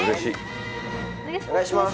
お願いします！